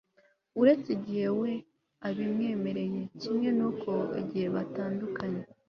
uretse igihe we abimwemereye kimwe n'uko igihe batandukanye